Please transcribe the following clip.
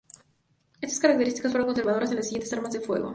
Estas características fueron conservadas en las siguientes armas de fuego.